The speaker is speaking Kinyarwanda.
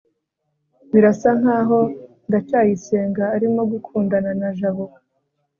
birasa nkaho ndacyayisenga arimo gukundana na jabo